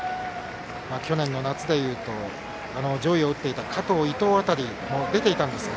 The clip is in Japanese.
去年の夏で言うと上位を打っていた加藤、伊藤辺りも出ていたんですが